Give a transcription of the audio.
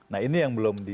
nah ini yang belum di